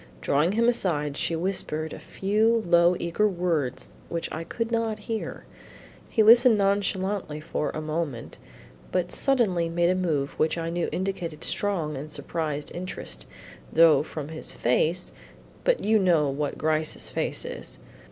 Drawing him aside, she whispered a few low eager words which I could not hear. He listened nonchalantly for a moment but suddenly made a move which I knew indicated strong and surprised interest, though from his face but you know what Gryce's face is.